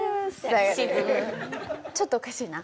ちょっとおかしいな。